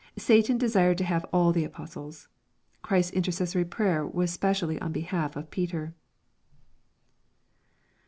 Satan desired to have all the apostles. Christ's intercessory prayer was specially on be half of Peter.